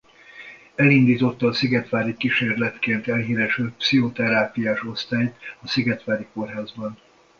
Elindította a Szigetvári kísérletként elhíresült pszichoterápiás osztályt a Szigetvári Kórházban.